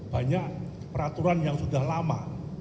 banyak peraturan yang sudah lama